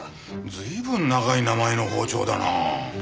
随分長い名前の包丁だな。